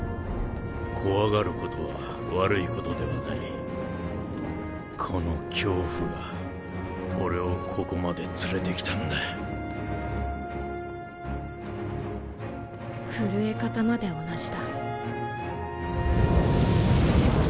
怖がることは悪いことではこの恐怖が俺をここまで震え方まで同じだ。